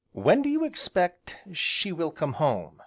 "When do you expect she will come home?"